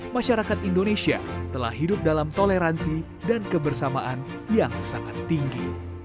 masyarakat indonesia telah hidup dalam toleransi dan kebersamaan yang sangat tinggi